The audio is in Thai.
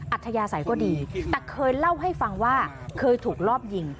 อัธยาศัยก็ดีแต่เคยเล่าให้ฟังว่าเคยถูกรอบยิง